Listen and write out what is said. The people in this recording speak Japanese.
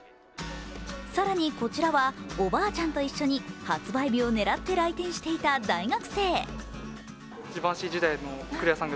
更に、こちらは、おばあちゃんと一緒に発売日を狙って来店していた大学生。